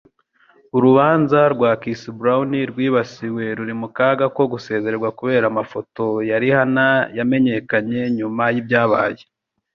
Urubanza rwa Chris Brown rwibasiwe ruri mu kaga ko gusezererwa kubera amafoto ya Rihanna yamenyekanye nyuma y'ibyabaye.